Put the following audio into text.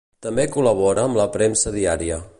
També col·labora amb la premsa diària.